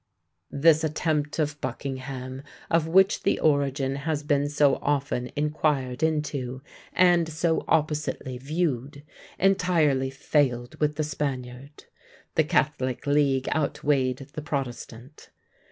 This attempt of Buckingham, of which the origin has been so often inquired into, and so oppositely viewed, entirely failed with the Spaniard. The catholic league outweighed the protestant.